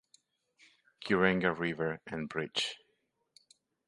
Kirenga River and bridge.